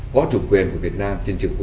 có chủ quyền của việt nam